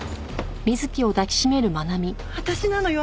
私なのよ